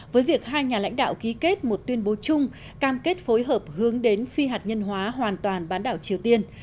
với việc hai nhà lãnh đạo ký kết một tuyên bố chung cam kết phối hợp hướng đến phi hạt nhân hóa hoàn toàn bán đảo triều tiên